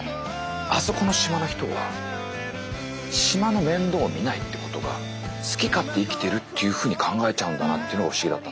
あそこの島の人は島の面倒を見ないってことが好き勝手生きてるっていうふうに考えちゃうんだなっていうのが不思議だった。